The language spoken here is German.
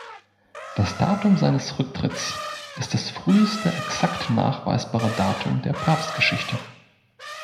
Das Datum seines Rücktritts ist das früheste exakt nachweisbare Datum der Papstgeschichte.